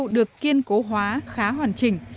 vụ được kiên cố hóa khá hoàn chỉnh